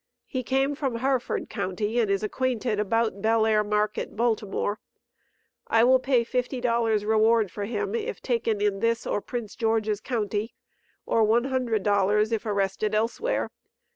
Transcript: He came from Harford county, and is acquainted about Belair market, Baltimore. I will pay $50 reward for him, if taken in this or Prince George's county, or $100 if arrested elsewhere.